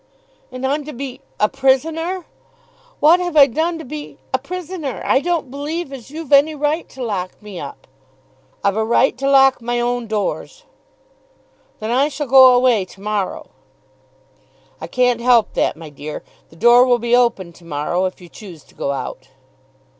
"And I'm to be a prisoner! What have I done to be a prisoner? I don't believe as you've any right to lock me up." "I've a right to lock my own doors." "Then I shall go away to morrow." "I can't help that, my dear. The door will be open to morrow, if you choose to go out."